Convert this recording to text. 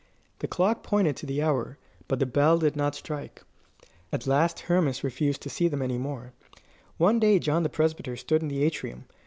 The clock pointed to the hour, but the bell did not strike. At last Hermas refused to see them any more. One day John the Presbyter stood in the atrium.